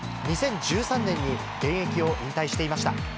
２０１３年に現役を引退していました。